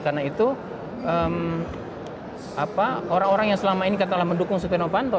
karena itu orang orang yang selama ini katalah mendukung setia no panto